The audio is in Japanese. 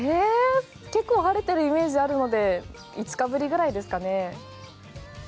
結構晴れてるイメージあるので５日ぶりぐらいですかね。